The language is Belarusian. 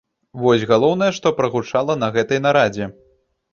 Вось галоўнае, што прагучала на гэтай нарадзе.